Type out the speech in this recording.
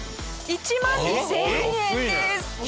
１万２０００円です！